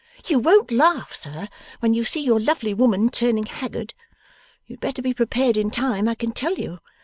'You won't laugh, sir, when you see your lovely woman turning haggard. You had better be prepared in time, I can tell you.